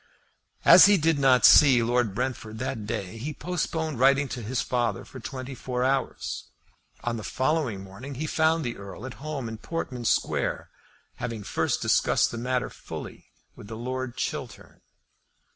As he did not see Lord Brentford that day he postponed writing to his father for twenty four hours. On the following morning he found the Earl at home in Portman Square, having first discussed the matter fully with Lord Chiltern.